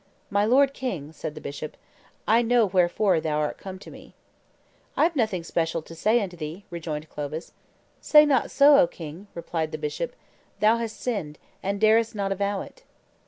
"My lord king," said the bishop, "I know wherefore thou art come to me." "I have nothing special to say unto thee," rejoined Clovis. "Say not so, O king," replied the bishop; "thou hast sinned, and darest not avow it."